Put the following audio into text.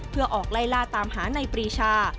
เพื่อออกไล่ล่าตามหาในปรีชา